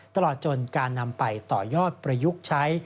ตลอดจนการนำไปต่อยอดประยุกต์ใช้